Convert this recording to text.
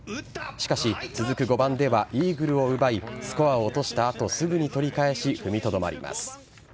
しかし、続く５番では、イーグルを奪い、スコアを落としたあと、すぐに取り返し、踏みとどまります。